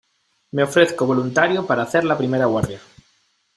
me ofrezco voluntario para hacer la primera guardia.